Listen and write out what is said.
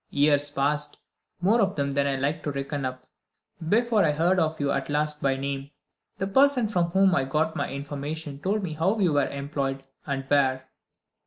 Years passed (more of them than I like to reckon up) before I heard of you at last by name. The person from whom I got my information told me how you were employed, and where."